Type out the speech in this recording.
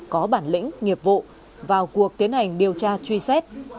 có bản lĩnh nghiệp vụ vào cuộc tiến hành điều tra truy xét